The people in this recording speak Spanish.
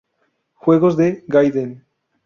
Juegos de Gaiden".